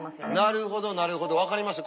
なるほどなるほど分かりました。